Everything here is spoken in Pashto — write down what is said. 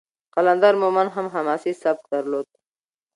قلندر مومند هم حماسي سبک درلود.